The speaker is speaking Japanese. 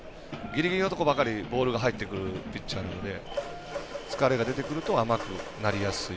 ギリギリのところばかりボールが入ってくるピッチャーなので疲れが出てくると甘くなりやすい。